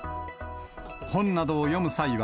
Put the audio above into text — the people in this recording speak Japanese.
本などを読む際は、